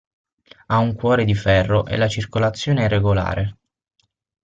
Ha un cuore di ferro e la circolazione è regolare.